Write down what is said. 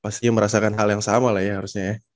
pastinya merasakan hal yang sama lah ya harusnya ya